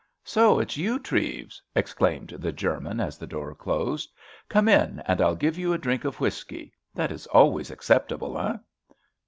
"So it's you, Treves?" exclaimed the German as the door closed. "Come in, and I'll give you a drink of whisky; that is always acceptable, eh?"